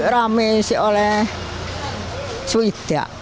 rame oleh suida